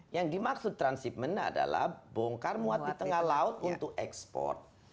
yang dimaksud transhipment adalah bongkar muat di tengah laut untuk ekspor